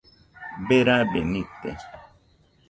Berabe nite